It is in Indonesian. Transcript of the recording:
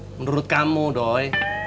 menurut kamu doi